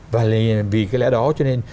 và vì cái lẽ đó cho nên